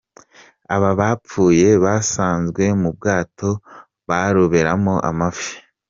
Aba bapfuye basanzwe mu bwato baroberamo amafi.